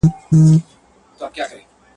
هم بوډا په ژبه پوه کړې هم زلمي را هوښیاران کې..